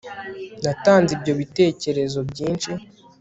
natanze ibyo bitekerezo byinshi